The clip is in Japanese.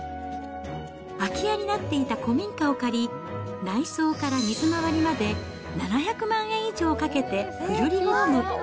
空き家になっていた古民家を借り、内装から水回りまで、７００万円以上かけてフルリフォーム。